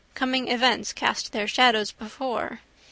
Coming events cast their shadows before.